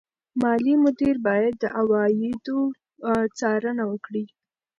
مالي مدیر باید د عوایدو څارنه وکړي.